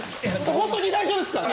本当に大丈夫っすから！